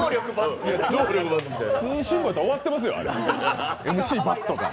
通信簿やったら終わってますよ、あれ、ＭＣ×とか。